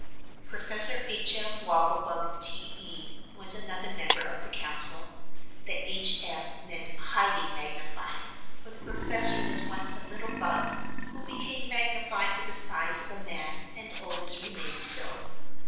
Professor H. M. Wogglebug, T. E., was another member of the council. The "H. M." meant Highly Magnified, for the Professor was once a little bug, who became magnified to the size of a man and always remained so.